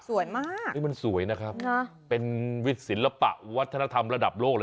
สวยมากนะครับเป็นวิทย์ศิลปะวัฒนธรรมระดับโลก